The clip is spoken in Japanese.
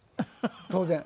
当然。